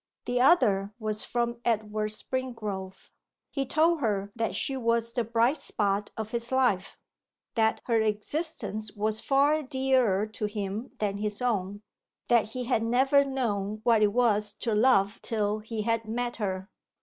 The other was from Edward Springrove. He told her that she was the bright spot of his life: that her existence was far dearer to him than his own: that he had never known what it was to love till he had met her.